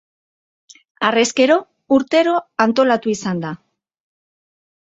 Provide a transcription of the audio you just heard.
Harrezkero urtero antolatu izan da.